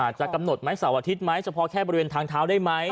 จะกำหนดไหมเสาร์อาทิตย์ไหมเฉพาะแค่บริเวณทางเท้าได้ไหม